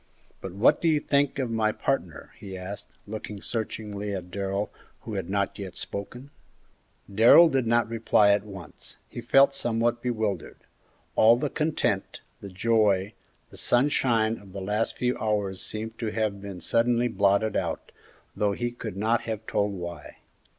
But what do you think of my partner?" he asked, looking searchingly at Darrell, who had not yet spoken. Darrell did not reply at once; he felt in some way bewildered. All the content, the joy, the sunshine of the last few hours seemed to have been suddenly blotted out, though he could not have told why.